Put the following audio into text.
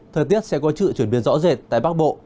thời tiết sẽ có sự chuyển biến rõ rệt tại bắc bộ